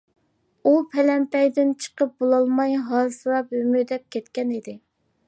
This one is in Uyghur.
ئۇ پەلەمپەيدىن چىقىپ بولالماي، ھاسىراپ-ھۆمۈدەپ كەتكەن ئىدى.